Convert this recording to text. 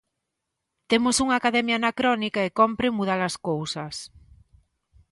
Temos unha Academia anacrónica e compre mudar as cousas.